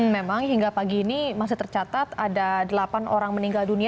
memang hingga pagi ini masih tercatat ada delapan orang meninggal dunia